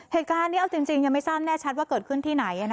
เหตุการณ์นี้เอาจริงยังไม่ทราบแน่ชัดว่าเกิดขึ้นที่ไหน